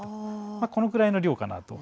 このくらいの量かなと。